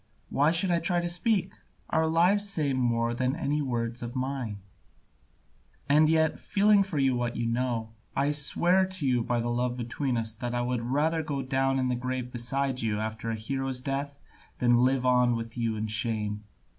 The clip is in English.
Why should I try to speak? Our lives say more than any words of mine. And yet, feeling for you what you know, I swear to you by the love between us that I would rather go down to the grave beside you after a hero's death than live on with you in shame.